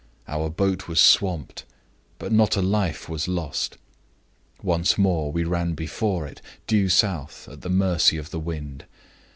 Our boat was swamped, but not a life was lost. Once more we ran before it, due south, at the mercy of the wind.